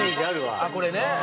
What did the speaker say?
あっこれね。